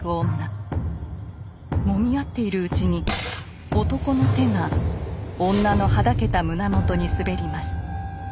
もみ合っているうちに男の手が女のはだけた胸元に滑ります。